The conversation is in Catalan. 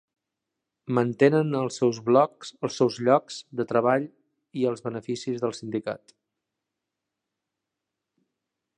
Mantenen els seus llocs de treball i els beneficis del sindicat.